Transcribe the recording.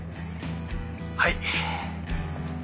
はい。